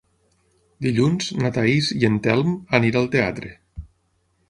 Dilluns na Thaís i en Telm aniré al teatre.